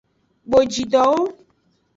Bojidowo.